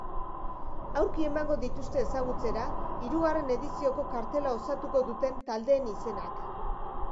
Aurki emango dituzte ezagutzera hirugarren edizioko kartela osatuko duten taldeen izenak.